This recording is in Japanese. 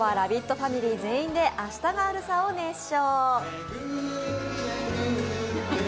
ファミリー全員で「明日があるさ」を熱唱。